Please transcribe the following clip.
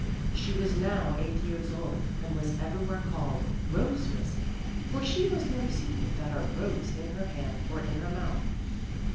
She was now eight years old and was everywhere called Rose Resli, for she was never seen without a rose in her hand or in her mouth.